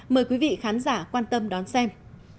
mời quý vị khán giả quan tâm đón xem